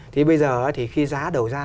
thì bây giờ thì khi giá đầu ra